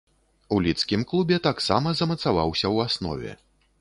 У лідскім клубе таксама замацаваўся ў аснове.